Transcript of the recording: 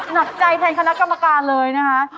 หนักใจแทนคณะกรรมการเลยนะคะ